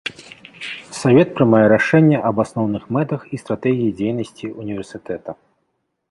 Савет прымае рашэнне аб асноўных мэтах і стратэгіі дзейнасці універсітэта.